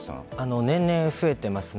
年々増えていますね